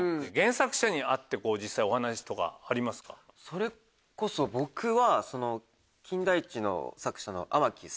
それこそ僕は。